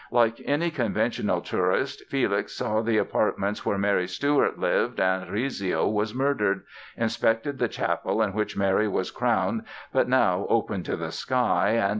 Like any conventional tourist Felix saw the apartments where Mary Stuart lived and Rizzio was murdered, inspected the chapel in which Mary was crowned but now "open to the sky and